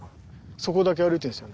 そこだけ歩いてるんですよ。